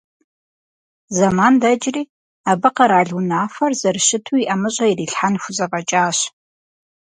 Зэман дэкӀри, абы къэрал унафэр зэрыщыту и ӀэмыщӀэ ирилъхьэн хузэфӀэкӀащ.